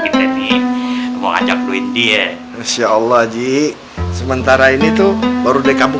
paku paku dicabutin dong